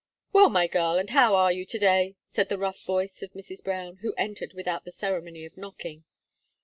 "Well, my girl, and how are you to day?" said the rough voice of Mrs. Brown, who entered without the ceremony of knocking.